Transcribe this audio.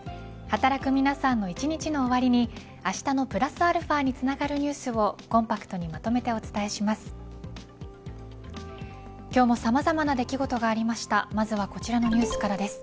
働く皆さんの一日の終わりにあしたのプラスαにつながるニュースををコンパクトにまとめてお伝えします。